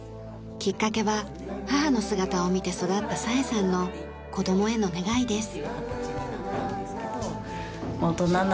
きっかけは母の姿を見て育った沙恵さんの子どもへの願いです。